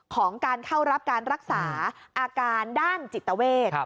ของการเข้ารับการรักษาอาการด้านจิตเวท